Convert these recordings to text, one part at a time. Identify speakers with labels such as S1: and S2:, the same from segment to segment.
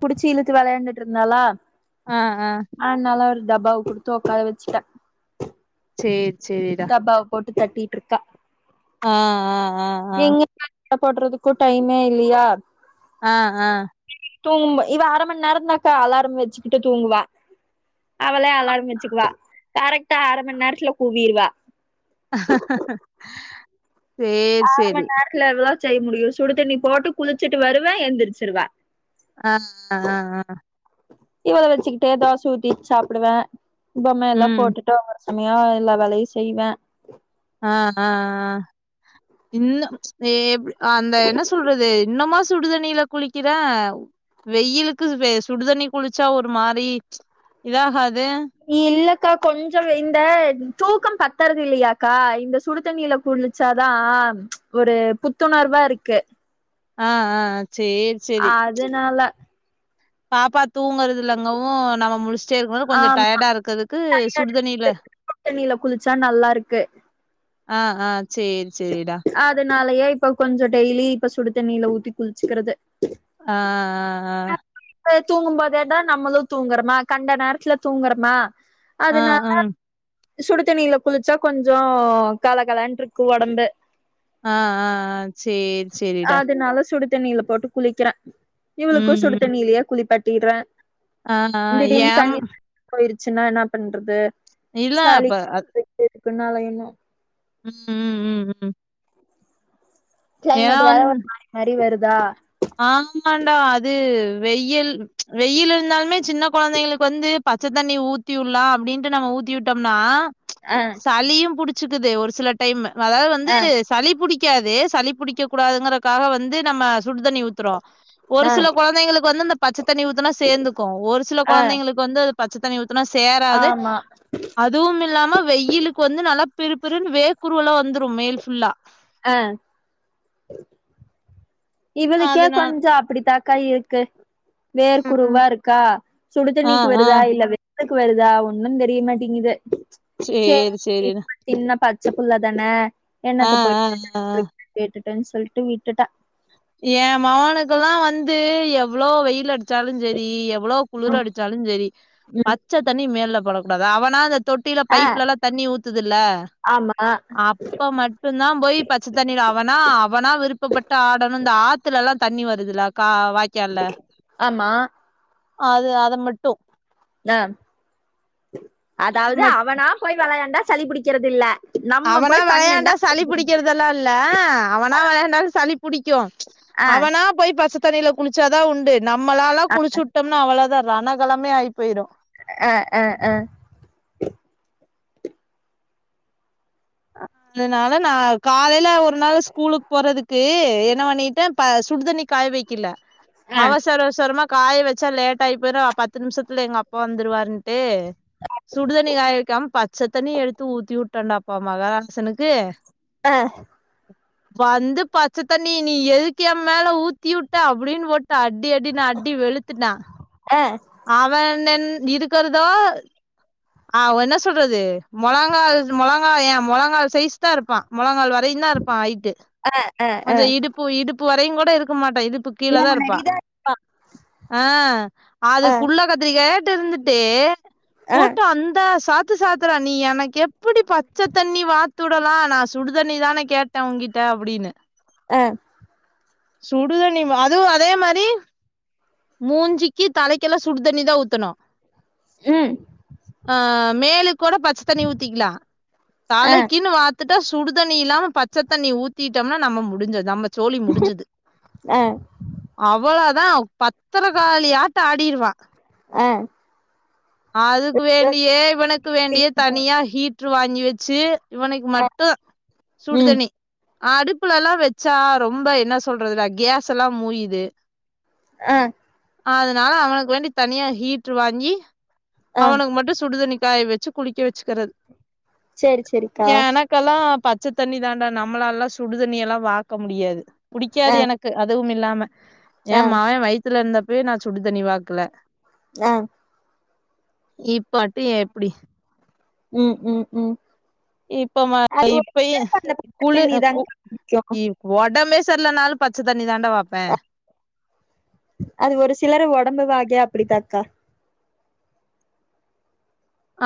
S1: புடிச்சி இழுத்து வெளையாண்டு இருந்தாளா
S2: ஆ ஆ
S1: டப்பாவ குடுத்து ஒக்கார வச்சுட்டே-
S2: சேரி சேரிடா
S1: போ தட்டிட்டு இருக்கா
S2: ஆ ஆ ஆ ஆஹ்
S1: அட்ட போடுறதுக்கும் டைமே இல்லையா
S2: ஆ ஆ ஆ
S1: தூங்கும்போ இவ அர மண் நேரந்தாக்கா அலாரம் வச்சுக்கிட்டு தூங்குவா அவளே அலாரம் வச்சுக்குவா கரெக்ட்டா அர மண் நேரத்துல கூவிடுவா
S2: அஹ ஹ ஹ
S1: [unintelligible] எவ்ளோ செய்ய முடியு சுடு தண்ணி போட்டு குளிச்சுட்டு வருவ எந்திரிச்சுருவ
S2: ஆஹ் ஆ ஆ
S1: இவ்வள வச்சுக்கிட்டே தோச ஊத்தி சாப்டுவ [unintelligible] மேல
S2: ம்
S1: போட்டுட்டுதா வரே செமையா எல்லா வேலையு செய்வே
S2: ஆஹ் ஆஹ் இன்ன எ அந்த என்ன சொல்றது இன்னுமா சுடுதண்ணில குளிக்கிற வெயிலுக்கு சுடுதண்ணி குளிச்சா ஒரு மாரி இதாகது
S1: இல்ல அக்கா கொஞ்சம் இந்த தூக்கம் பத்துறதில்லையாக்கா இந்த சுடுதண்ணியில குளிச்சாதா ஒரு புத்துணர்வாருக்கு
S2: ஆஹ் ஆஹ்
S1: ஆதனால
S2: பாப்பத் தூங்கற்துல அங்கவு நம்ம முலுஸ்டே [unintelligible] கொஞ்சோ
S1: ஆமா
S2: டயடா இருக்கதுக்கு சுடுதண்ணில
S1: தண்ணில குளிச்சா நல்லா இருக்கு
S2: ஆஹ் ஆஹ் சேரி செரிடா
S1: னாலயே இப்ப கொஞ்சோ டெய்லி இப்ப சுடு தண்ணில ஊத்தி குள்ச்சுக்கறது
S2: ஆஹ் ஆஹ் ஆஹ்
S1: [unintelligible] தூங்கும் போதே தா நம்மளு தூங்கறமா கண்ட நேரத்துல தூங்கறமா
S2: ஆ
S1: அதுனால
S2: ஆ ம்
S1: சுடுதண்ணில குளிச்சா கொஞ்சோ கல கலன்ருக்கு ஒடம்பு
S2: ஆஹ் ஆஹ் ஆஹ் சேர் சேரிடா
S1: தண்ணில போட்டு குளிக்கறே
S2: உம் உம்
S1: துலயே குளிப்பாட்டிட்றே
S2: ஆ, ஆஹ், ஏம்
S1: சின்னா என்ன பண்றது
S2: இல்ல அப்ப அத்
S1: குனால இன்னு
S2: உம் உம் உம் உம்
S1: கிளைமேட் வேற [inaudible] மாரி வரு தா
S2: ஆமாண்டா அது வெயில் வெயில் இருந்தாலுமே சின்ன கொழந்தைங்களுக்கு வந்து பச்ச தண்ணி ஊத்தி உட்லா அப்டின்ட்டு நம்ம ஊத்தி விட்டம்னா
S1: ஆ
S2: சளியு புடி ச்சுக்குது ஒரு சில டைமு அதாவது வந்து
S1: ஆ
S2: சளி புடிக் க்காது சளி புடிக்க கூடாதுங்கறக்காக வந்து நம்ம சுடு தண்ணி ஊத்தறோ ஒரு
S1: ஆ
S2: சில கொழந்தைங்களுக்கு வந்து இந்த பச்ச தண்ணி ஊத்துனா சேந்துக்கு ஒரு சில
S1: ஆ
S2: கொழந்தைங்களுக்கு வந்து பச்ச தண்ணி [unintelligible] துனா சேராது
S1: ஆமா
S2: அதுவுமில்லாம வெய்யிலுக்கு வந்து நல்லா பிரு பிருனு வேர்க்குருவல்லா வந்து [unintelligible] மேல் ஃபுல்லா
S1: ஆ இவளுக்கே
S2: அதனால
S1: கொஞ்சோ அப்படித்தா கை இருக்கு வேர்க்குருவா இருக்கா சுடு
S2: ஆ
S1: தண்ணிக்
S2: ஆ
S1: வருதா இல்ல [unintelligible] வருதா ஒன்னுந்தெரிய மாட்டிங்குது சே
S2: சேரி சேரிடா
S1: [inaudible] சின்ன பச்ச புள்ள தான
S2: ஆ
S1: எண்ணத்த போயி
S2: ஆ ஆ
S1: [inaudible] ப்ரண்ட்ஸ் சொல்ட்டு வட்டுட்டா
S2: எ மவனுக்கெல்லா வந்து எவ்ளோ வெயில் எடுத்து சாலு செரி எவ்ளோ குளிர்
S1: ம்
S2: அடிச்சாலு செரி
S1: ம்
S2: பச்ச தண்ணி மேல போடக்கூடாத அவனாது தொட்டியில
S1: ஆ
S2: பைப்லல்லா தண்ணி ஊத்துதுல்ல
S1: ஆமா
S2: அப்ப மட்டு தா போய் பச்ச தண்ணில அவனா அவனா விருப்பப்பட்ட ஆடு அந்த ஆத்துலக் நல்ல தண்ணி வருதுலா காவ் வாக்கியால்ல
S1: ஆமா
S2: அது அத மட்டு
S1: தா
S2: அது
S1: அதாவ்து
S2: மட்
S1: அவனா போய் வெளையாண்டா சளிபிடிக்கிறது இல்ல நம்ம
S2: அவனா
S1: போய்
S2: வெளையாண்டா
S1: பண்ணுனா
S2: சளி புடிக்கறதுல்லா இல்ல அவனா வெளையாண்டா சளிப் புடிக்கூ
S1: ஆ
S2: அவனா போய் பசத் [unintelligible] தண்ணியில குளிச்சாதா உண்டு நம்மளால குளிச்சுட்டம்ன அவள தா ரனகளமே அயி போயிரோ
S1: அ அ அ
S2: அ அதனால நா காலையில ஒரு நாள் ஸ்கூலுக்கு போறதுக்கு என்ன பண்ணிட்டேன் ப சுடுதண்ணி காய வெக்கல அவசர சொர்மா காய வெச்சா லேட் ஆயி போயிரோ அ பத்து நிமிஷத்தில எங்க அப்பா வந்துருவருன்ட்டு சுடுதண்னி காய வெக்கமா பச்ச தண்ணி எடுத்து ஊத்தி உட் டனப் இப்போ மகாராசனுக்கு
S1: அ
S2: வந்து பச்சத்தண்ணி நீ எதுக் ஏ மேல ஊத்தி வுட்ட அப்புடின் போட்டு அடி அடி நா அடி வெளுத்துட்ட
S1: ஆ
S2: அவனன் இங்க இருக்கறதா அவ என்ன சொல்றது முளங்கால் முளங்காய் ஏன் முளங்கா சைஸ் தான் இருப்பான் முளங்கால் வத் [unintelligible] இருப்பா ஐட்டு
S1: ஆ ஆ
S2: கொஞ்ஜோ இடுப்பு இடுப்பு வரையு கூட த இருக்க மாட் இடுப்பு கீழ தா இருப்பா
S1: முன்னாடிதா
S2: ஆ அதுக்குள்ள கத்திரிக்கத் ட் இருந்துட்டே
S1: அ
S2: அந்த சாத்து சாத்துற நீ எனக்கு எப்படி பச்ச தண்ணி வாத்துடுலா நா சுடுதண்ணி தானே கேட்டே உன்கிட்ட அப்புடீன்னு
S1: அ
S2: சுடுதண்ணி அதுவும் அதே மாறி மூஞ்சிக்கு தலைக்கெல்ல சுடுதண்ணி தான் ஊத்தனு
S1: ம்
S2: மேலுக் கொட பச்ச தண்ணி ஊத்திக்லா
S1: ஆ
S2: தளைக்கின்னு வா த்துட்டா சுடுதண்ணி இல்லாம பச்ச தண்ணி ஊத்திட்டம்னா நம்ம முடிஞ்சது நம்ம சோழி முடிஞ்சுது
S1: அ
S2: அவளதான் பத்திரக்காளி ஆட்டம் ஆடிருவா
S1: அ
S2: அதுக்கு வேண்டியே இவனுக்கு வேண்டியே தனியா ஹீட் சு் வாங்கி வச்சு இவனுக்கு மட்டு
S1: ம்
S2: சுடுதண்ணி அடுப்புலலாம் வெச்சா ரொம்ப என்ன சொல்றது நா கேஸல்லாம் மூயுது
S1: அ
S2: அதனால அவனுக்கு வேண்டி தனியா ஹீட்ரு வாங்கி
S1: ஆ
S2: அவனுக்கு மட்டு சுடுதண்ணி காய வெச்சு குளிக்க வெச்சுக்கறது
S1: சேரி சேரிக்கா
S2: எனக்கெல்லா பத் பச்ச தண்ணி தாண்டா நம்மளல்லாம் சுடுதண்ணியெல்லா வாக முடியாது புடிக்காது
S1: ஆ
S2: எனக்கு அ அதுவுமில்லாமா
S1: ஆ
S2: ஏன் மா வயித்துலருந்த ப்பவே நா சுடு தண்ணி வாக்ல
S1: ஆ
S2: இப்பாட்டு ஏ எப்டி
S1: ம் ம் ம்
S2: இப்போ வ
S1: அது ஒரு
S2: இப்பயே
S1: சிலருக்கு அந்த பச்ச
S2: குழு
S1: தண்ணி
S2: அ கு
S1: தான்க்கா புடிக்கு
S2: அ ஒடம்பே ல்ல நாலும் பச்சதண்ணி இனி தாண்டா வப்பேன்
S1: அது ஒரு சிலர் உடம்பு வாகே அப்டித்தகா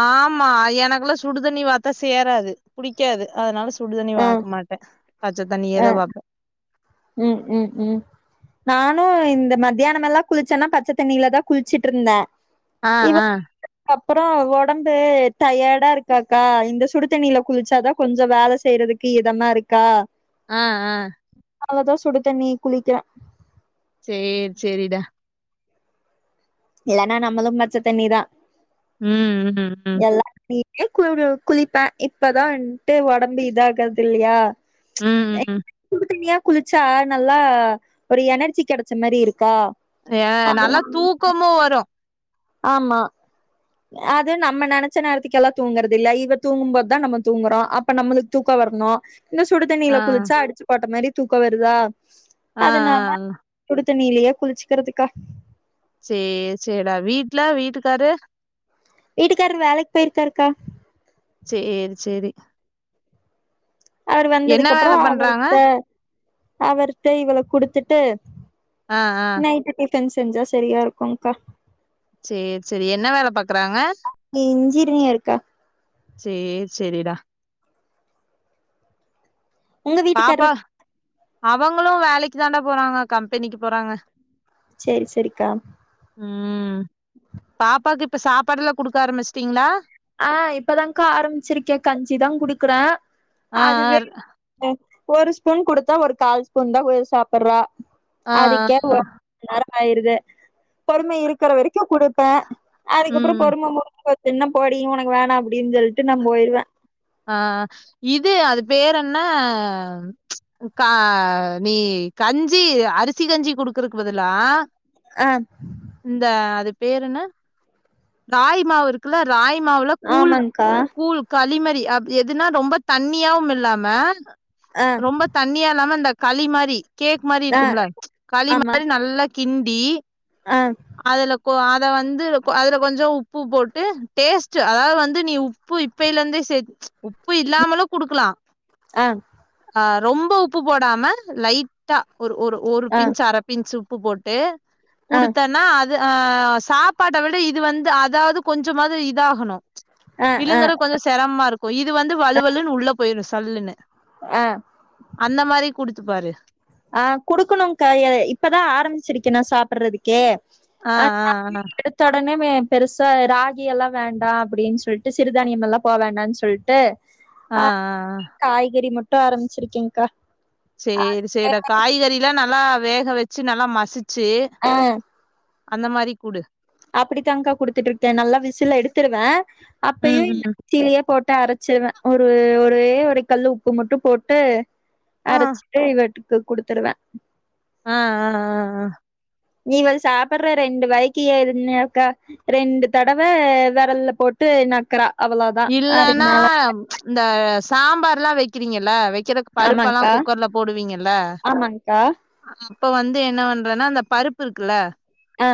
S2: ஆமா எனக்லா சுடுதண்ணி வாத்தா சேராது புடிக்காது அதனால சூடதண்ணி
S1: ஆ
S2: வாக்க மாட்டன் பச்ச
S1: ஆ
S2: தண்ணியேதா வாப்ப
S1: ம் ம் ம் நானு இந்த மத்தியானமெல்லா குளிச்சன்னா பச்ச தண்ணில தான் குளிச்சிட்ருந்த
S2: ஆ ஆ
S1: அப்பறோ ஒடம்பு டயர்டா இருக்காக்கா இந்த சுடுதண்ணியில குளிச்சாதா கொஞ்ச வேல செய்யறதுக்கு இதமா இருக்கா
S2: ஆ ஆ
S1: அதுநாலதான் சுடு தண்ணி குளிக்கான்
S2: செரி செரிடா
S1: இல்லன்னா நம்மளும் பச்ச தண்ணிதா
S2: ம் ம் ம்
S1: ஏ [unintelligible] குளிப்பே இப்பதா வன்ட்டு உடம்பு இதாகறது இல்லியா
S2: ம் ம்
S1: குளிச்சா நல்லா ஒரு எனர்ஜி கடைச்ச மாரி இருக்
S2: [unintelligible] நல்லா தூக்கமு வரோ
S1: ஆமா அது நம்ம நனைச்ச நேரத்துக்கெல்லா தூங்குறது இல்ல இவ தூங்கும்போதுதா நம்ம தூங்குறோ அப்ப நம்மளுக்கு தூக்க வர்ணோ என்ன சுடு
S2: ஆ
S1: தண்ணில குளிச்சா அடிச்சு போட்ட மாரி தூக்கோ வருதா
S2: ஆ ஆ
S1: தண்ணிலியே குளிச்சுக்கிறதுக்கா
S2: சேரி செரிட வீட்லா வீட்டுக்காரு
S1: வீட்டுக்காராரு வேலைக்கு போய்யிருக்காருக்கா
S2: செரி செரி
S1: அவரு வந்ததுக்கு அப்றோ
S2: வேல பண்றாங்க
S1: அவர்ட அவர்ட இவள குடுத்துட்டு
S2: ஆ ஆ
S1: க்கன் செஞ்சா சரியா இருக்கோங் கா
S2: சேரி செரி என்ன வேல பாக்குறாங்க
S1: னீயர் கா
S2: சேர் செரிடா
S1: உங்க வீட்டுகாரரு
S2: பாப்பா அவங்களு வேலைக்கு தாண்டா போறாங்க கம்பெனிக்கு போறாங்க
S1: செரி செரிக்கா
S2: ம் பாப்பாக்கு இப்போ சாப்பாடு எல்லா குடுக்க ஆரம்பிச்சட்டீங்களா
S1: ஆ இப்பதான கா ஆரம்பிச்சிருக்கே கஞ்சிதா குடுக்குறே
S2: ஆ ஆ
S1: அதுவே ஒரு ஸ்பூன் குடுத்தா ஒரு கால் ஸ்பூன் தா ஓ ஏ சாப்புட்றா
S2: ஆ ஆ
S1: அதுக்கே [unintelligible] நேர ஆய்டுது பொறுமை இருக்கிற வரைக் குடுப்பே அதுக்கப்றோ
S2: ம்
S1: பொறும முடிஞ்சு போ என்ன போடி உனக்கு வேணா அப் [unintelligible] நா போய்டுவேன்
S2: ஆ இது அது பேர் என்ன கா நீ கஞ்சி அரிசி கஞ்சி குடுக்குறக் பதெல்லா
S1: ஆ
S2: இந்த அது பேர் என்ன ராகி மாவு இருக்குல்ல ராகி மாவ்ல கூழ்
S1: ஆமாங்க்கா
S2: கூல் களி மா அ எதுனா ரொம்ப தண்ணியாவும் இல்லாம
S1: ஆ
S2: ரொம்ப தண்ணியா இல்லாம இந்த களி மாறி கேக் மாதிரி
S1: ஆ
S2: இருக்கும்லா களி மாதிரி நல்லா கிண்டி
S1: அ
S2: அதுல அத வந்து அதுல கொஞ்சோ உப்பு போட்டு டேஸ்ட்ட் அதாவ வந்து நீ உப்பு இப்பல இருந்தே உப்பு இல்லாமலும் குடுக்கலாம்
S1: ஆ
S2: ஆ ரொம்ப உப்பு போடாம லைட்டா ஒரு ஒரு ஒரு
S1: ஆ
S2: பிஞ்ச்அரை பிஞ்ச் உப்பு போட்டு
S1: ஆ
S2: குடுத்தன்னா அது ஆ சாப்பாட்ட விட இது வந்து அதாவது கொஞ்சமாது இதாகணு
S1: ஆ ஆ
S2: விழுங்கறப் கொஞ்சோ சிரமா இருக்கு இது வந்து வலுவலுன்னு உள்ள போய்ரு சல்லுன்னு
S1: அ
S2: அந்த மாதிரி குடுத்துப்பாரு
S1: குடுக்கணு கா இப்பதா ஆரம்பிச்சிருக்கே நா சாப்பிடுறதுக்கே
S2: ஆ ஆ
S1: [unintelligible]
S2: ஆ
S1: எடுத்தொடனுமே பெருசா ராகி எல்லாம் வேண்டா அப்படீன்னசொல்ட்டு சிறுதானியம் எல்லாம்போ வேண்டான் சொல்ட்டு
S2: ஆ ஆ
S1: ட்டா ஆரம்பமிச்சிருக்கீங்க்கா
S2: சேரி செய்ற ‌காய்கறி லா நல்லா வேக வச்சு நல்லா மசிச்
S1: ஆ
S2: அந்த மாரி குடு
S1: அப்படித்தான்கா குடுத்துட்டு இருக்கேன் நல்லா விசில் எடுத்துிருவேன்
S2: ம்
S1: அப்பயும்
S2: ம்
S1: மிக்சிலையே போட்டு அரைச்சிருவேன் ஒரு ஒரே ஒரு கல்லு உப்பு மட்டு போட்டு
S2: ஆ
S1: அரச்சிட்டு இது ஒரு ட்ரிப் த்து குடுத்துருவேன்
S2: ஆ ஆ ஆ ஆ
S1: இவள் சாப்படற ரெண்டு வாய்க்கு என்னாக்கா ரெண்டு தடவ வெரல்ல போட்டு நக்கறா
S2: இல்லனா இந்த சாம்பார்ல்லாம் வைக்கிறீங்கங்கள வெ க்கிற பருப்பெல்லாம்
S1: ஆமாங்க்கா
S2: குக்கர்ல போடுவீங்கல்ல
S1: ஆமாங்க்கா
S2: இப்ப வந்து என்ன பண்றனா அந்த பருப்பு இருக்குல்ல
S1: ஆ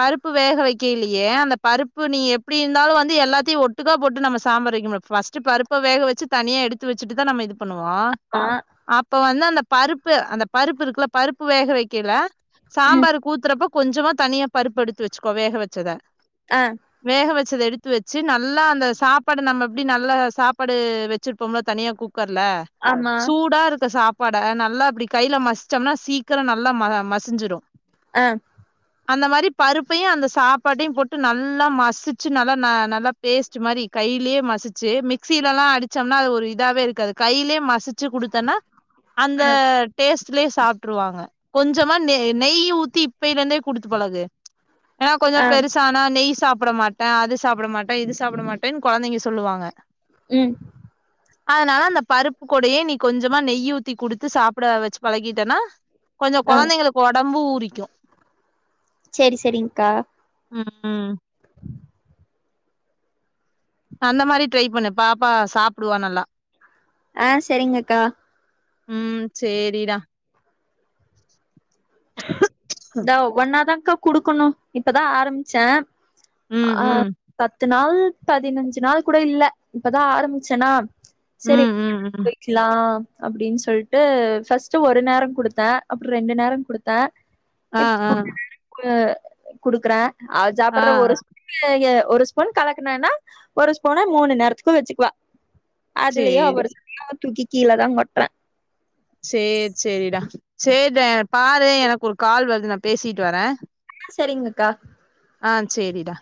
S2: பருப்பு வேக வெக்கேலியே அந்த பருப்பு நீ எப்டி இருந்தாலு வந்து எல்லாத்தையு ஒட்டு டுக்கா போட்டு நம்ம சம்பார் வெக்கமு ஃபஸ்ட் பருப்ப வேக வெச்சு தனியா எடுத்து வெச்சுட்டுதா நம்ம இது பண்ணுவோ
S1: ஆ
S2: அப் இப்ப வந்து அந்த பருப்பு அந்த பருப்பு இருக்குல பருப்பு வேக வெக்கேல
S1: ம்
S2: சாம்பார்க்கு ஊத்தறப்ப கொஞ்சமா தனியா பருப்பு எடுத்து வெச்சுக்கோ வேக வெச்சத
S1: ஆ
S2: வேக வெ ச்சத எடுத்து வச்சு நல் லா அந்த சாப்பாடு நம்ம எப்படி நல்ல சாப்பாடு வச்சிருப்போம்ல தனியா கு க்கர்ல
S1: ஆமா
S2: சூடா இருக்க சாப் பாட நல்லா அப்படி கையில மசிச்சோம்னா சீக்கிரோ நல்லா ம மசிஞ்சிரு
S1: ஆ
S2: அந்த மாரி பருப்பையு அந்த சாப்பாட்டையு போட்டு நல்லா மசிச்சு நல்லா ந நல்லா பேஸ்ட் மாரி கையிலேயே மசிச்சு மிக்சியில எல்லா அடிச்சோம்னா அது ஒரு இதாவே இருக்காது கையிலேயே மசிச்சு குடுத்தேன்னா அந்த
S1: ஆ
S2: டேஸ்ட் ட்லயே சாப்பிட்டுருவாங்க கொஞ்சமா நெ நெய் ஊத்தி இப்பேல இருந்தே குடுத்து பழகு ஏனா
S1: ஆ
S2: கொஞ்சம் பெருசானா நெய் சாப்பிட மாட்டே அது சாப்பிட மாட் டே இது சாப்பிட மாட்டேன்னு கொழந்தைங்க சொல்லுவாங்க
S1: ம்
S2: அதனால அந்த பருப்பு கூடையே நீ கொஞ்சமா நெய் ஊத்தி குடுத்து சாப்பிட வச்சு பழகிட்டேன்னா கொஞ்சம்
S1: ஆ
S2: கொழந்தைங்களுக்கு ஒடம்பு புடிக்கு
S1: செரி சரிங்க்கா
S2: ம் அந்த மாரி ட்ரை பண்ணு பாப்பா சாப்பிடுவா நல்லா
S1: ஆ சரிங்க அக்கா
S2: ம் சேரிடா
S1: அதா ஒவ்வொண்ணாதா க்க குடுக்கணு இப்பதா ஆரம்பிச்சே
S2: ம்
S1: அ
S2: ம்
S1: பத்து நாள் பதினஞ்சு நாள் கூட இல்ல இப்பதா ஆரம்பிச்சன்னா சரி
S2: ம் ம் ம்
S1: போய்கலா அப்படின்னு சொல்லிட்டு ஃபர்ஸ்ட் ஒரு நேரோ குடுத்தா அப்புறோ ரெண்டு நேரோ குடுத்தா
S2: ஆஹ் ஆஹ்
S1: குடுக்குற அவ ஜாப்பர்ர ஒரு [unintelligible] ஒரு ஸ்பூன் கலக்கனன்னா ஒரு ஸ்பூன மூணு நேரத்துக்கு வச்சுக்குவ அதுலயே
S2: சேரி
S1: அவர் சொல்ல தூக்கி கீழ தா கொட்டர
S2: சேரி சேரிடா சேரிடா பாரு எனக்கு ஒரு கால் வருது நா பேசிட்டு வர
S1: சரிங்கக்கா
S2: ஆ சேரிடா